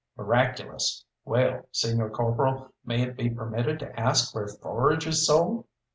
"Miraculous! Well, señor corporal, may it be permitted to ask where forage is sold?"